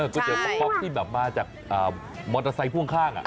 ก๋วยเตี๋ยวป๊อกที่มาจากมอเตอร์ไซค์ข้าง